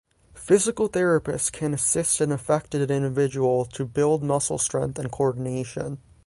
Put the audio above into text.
Physical therapists can assist an affected individual to build muscle strength and coordination.